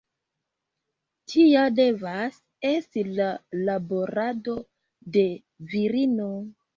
Tia devas esti la laborado de virino.